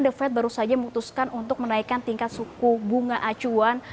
the fed baru saja memutuskan untuk menaikkan tingkat suku bunga acuan